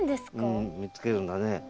うん見つけるんだね。